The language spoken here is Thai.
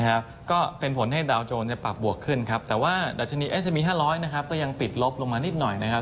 ก็เป็นผลให้ดาวโจรปรับบวกขึ้นครับแต่ว่าดัชนีเอสมี๕๐๐นะครับก็ยังปิดลบลงมานิดหน่อยนะครับ